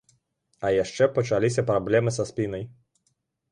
А яшчэ пачаліся праблемы са спінай.